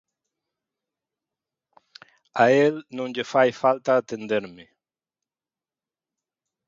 A el non lle fai falta atenderme.